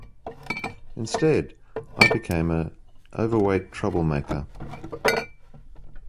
Instead, I became an overweight troublemaker.